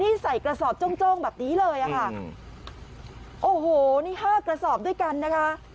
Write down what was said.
นี่ใส่กระสอบจ้องแบบนี้เลยค่ะโอ้โหนี่๕กระสอบด้วยกันนะคะ